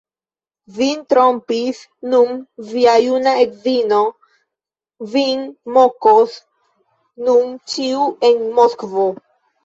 Vin trompis nun via juna edzino, vin mokos nun ĉiu en Moskvo!